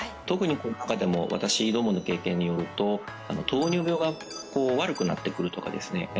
特にこの中でも私どもの経験によると糖尿病がこう悪くなってくるとかですね